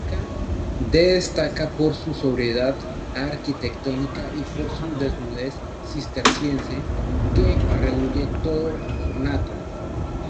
Destaca por su sobriedad arquitectónica y por su desnudez cisterciense, que rehúye todo ornato.